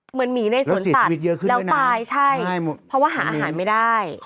เหมือนหมีในสวนตัดแล้วปลายใช่เพราะว่าหาอาหารไม่ได้